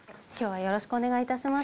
よろしくお願いします。